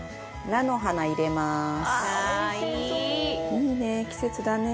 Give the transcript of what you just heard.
いいね、季節だね。